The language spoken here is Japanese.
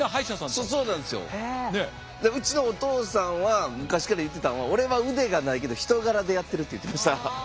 うちのお父さんは昔から言ってたんは「俺は腕がないけど人柄でやってる」って言ってました。